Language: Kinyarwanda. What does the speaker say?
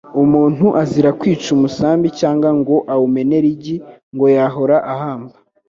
Umuntu azira kwica umusambi cyangwa ngo awumenere igi, ngo yahora ahamba